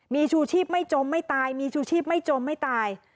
มีชูชีพไม่จมไม่ตายมีชูชีพไม่จมไม่ตาย